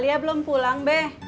alia belum pulang be